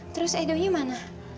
terus edonya mana